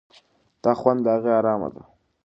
دا خونه له هغې ارامه ده.